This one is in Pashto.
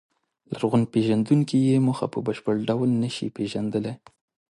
لرغونپېژندونکي یې موخه په بشپړ ډول نهشي پېژندلی.